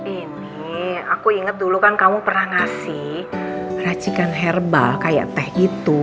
ini aku inget dulu kan kamu pernah ngasih racikan herbal kayak teh gitu